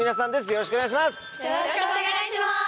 よろしくお願いします！